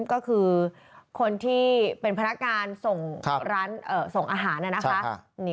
ก็คือคนที่เป็นพนักงานส่งร้านส่งอาหารนะคะ